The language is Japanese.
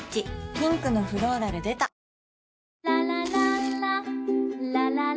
ピンクのフローラル出たハモリ